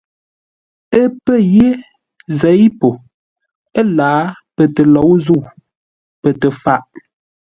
Ə́ pə̂ yé zěi po ə́lǎa pətəlǒu-zə̂u, pə tə-faʼ.